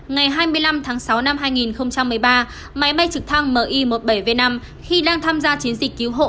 ngày hai mươi năm tháng sáu năm hai nghìn một mươi ba máy bay trực thăng mi một mươi bảy v năm khi đang tham gia chiến dịch cứu hộ